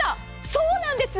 そうなんです。